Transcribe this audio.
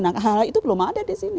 nah hal itu belum ada disini